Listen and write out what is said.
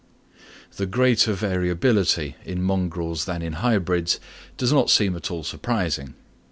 This greater variability in mongrels than in hybrids does not seem at all surprising.